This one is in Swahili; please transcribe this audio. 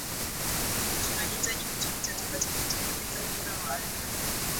tunahitaji vitu vitatu katika kutengeneza ubora wa anuani